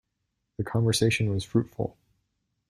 The conversation was fruitful.